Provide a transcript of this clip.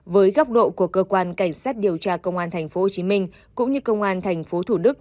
với góc độ của cơ quan cảnh sát điều tra công an tp hcm cũng như công an tp thủ đức